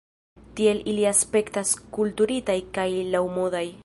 Tiel ili aspektas kulturitaj kaj laŭmodaj.